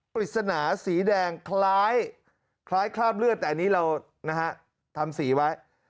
ปริศนาสีแดงคล้ายคราบเลือดแต่อันนี้เรานะฮะทำสีไว้